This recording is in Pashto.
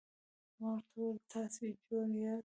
ما ورته وویل: تاسي جوړ یاست؟